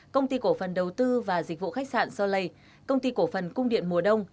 công ty cổ phần đầu tư và dịch vụ khách sạn solay công ty cổ phần cung điện mùa đông